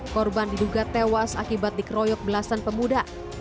korban diduga tewas akibat dikeroyok belasan pemuda